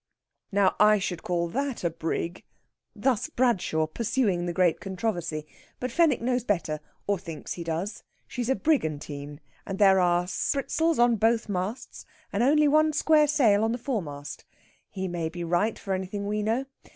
'" "Now I should call that a brig." Thus Bradshaw, pursuing the great controversy. But Fenwick knows better, or thinks he does. She's a brigantine, and there are sprits'ls on both masts, and only one square sail on the foremast. He may be right, for anything we know.